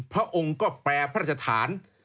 พระองค์ก็แปรพระราชฐาน